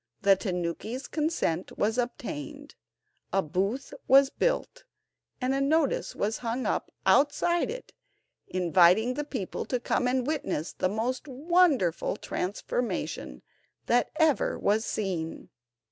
The tanuki's consent was obtained, a booth was built, and a notice was hung up outside it inviting the people to come and witness the most wonderful transformation that ever was seen.